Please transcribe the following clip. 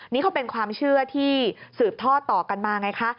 นี่เขาเป็นความเชื่อที่สืบท่อต่อกันมาไงคะ